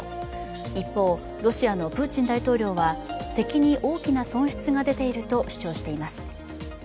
一方、ロシアのプーチン大統領は敵に大きな損失が出ていると主張しています。